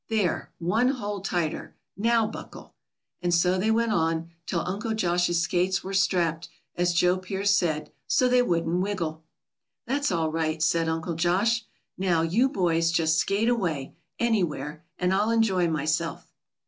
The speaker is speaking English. There one hole tighter. Now buckle." And so they went on, till Uncle Josh's skates were strapped, as Joe Pearce said, "so they couldn't wiggle." "That's all right," said Uncle Josh. "Now, you boys, just skate away, anywhere, and I'll enjoy myself."